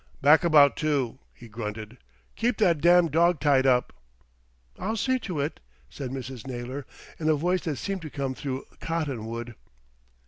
"Back about two," he grunted. "Keep that damned dog tied up." "I'll see to it," said Mrs. Naylor in a voice that seemed to come through cotton wool.